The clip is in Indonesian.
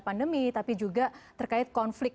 pandemi tapi juga terkait konflik